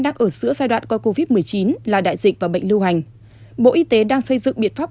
đang ở giữa giai đoạn qua covid một mươi chín là đại dịch và bệnh lưu hành bộ y tế đang xây dựng biện pháp